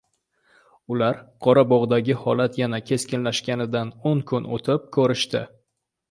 Ular Qorabog‘dagi holat yana keskinlashganidan o'n kun o‘tib ko‘rishdi.